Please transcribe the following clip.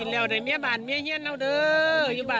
นายเกาะเกียรติและนายธิรยุทธ์นะคะ